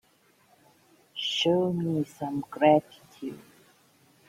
Show me some gratitude.